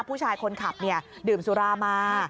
ผู้ชายคนขับดื่มสุรามา